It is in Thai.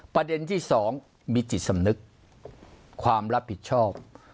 ประเด็นที่๒มีจิตสำนึกความรับผิดชอบ